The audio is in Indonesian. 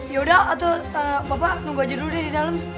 yaudah atau bapak nunggu aja dulu deh di dalam